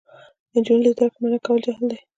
نجونې له زده کړې منع کول جهل دی.